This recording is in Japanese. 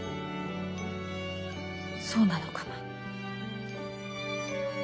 そうなのかな。